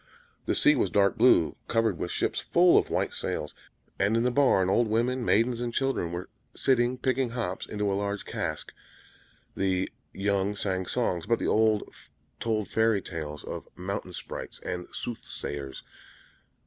The sea was dark blue, covered with ships full of white sails; and in the barn old women, maidens, and children were sitting picking hops into a large cask; the young sang songs, but the old told fairy tales of mountain sprites and soothsayers.